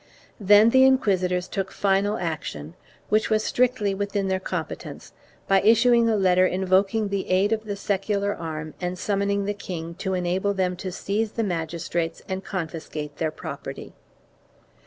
Then the inquisitors took final action, which was strictly within their competence, by issuing a letter invoking the aid of the secular arm and summoning the king to enable them to seize the magis trates and confiscate their property.